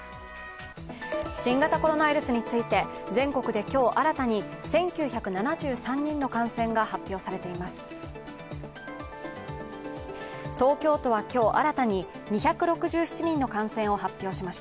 新型コロナウイルスについて全国で今日新たに１９７３人の感染が発表されています。